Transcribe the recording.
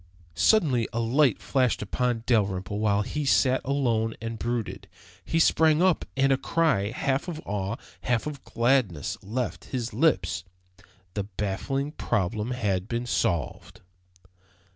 Suddenly a light flashed upon Dalrymple while he sat alone and brooded. He sprang up and a cry, half of awe, half of gladness, left his lips. The baffling problem had been solved!